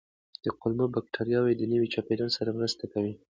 کولمو بکتریاوې د نوي چاپېریال سره مرسته کوي.